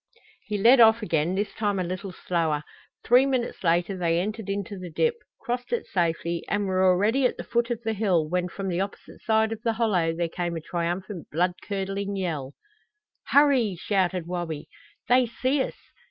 He led off again, this time a little slower. Three minutes later they entered into the dip, crossed it safely, and were already at the foot of the hill, when from the opposite side of the hollow there came a triumphant blood curdling yell. "Hurry!" shouted Wabi. "They see us!"